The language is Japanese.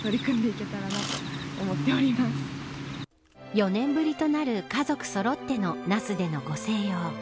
４年ぶりとなる家族そろっての那須でのご静養。